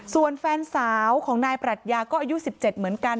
ส่วนแฟนสาวของนายปรัชญาก็อายุ๑๗เหมือนกัน